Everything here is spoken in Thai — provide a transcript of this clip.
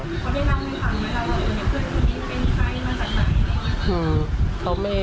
เค้าได้เล่าให้คำให้เราย๑๖เพื่อนเดี๋ยวนี้เป็นใครมาจากไม่